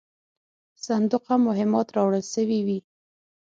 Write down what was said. صندوقه مهمات راوړل سوي وې.